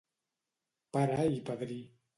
Pare i padrí.